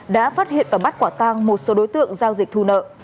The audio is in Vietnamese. đã phát hiện và bắt quả tang một số đối tượng giao dịch thu nợ